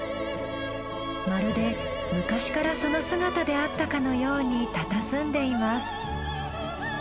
まるで昔からその姿であったかのようにたたずんでいます。